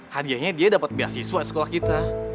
hadiahnya dia dapat pr siswa di sekolah kita